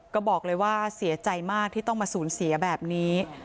ก็บอกเลยว่าเสียใจมากที่ต้องมาสูญเสียแบบนี้